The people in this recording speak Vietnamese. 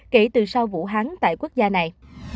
kể từ sau vũ hán tại quốc gia này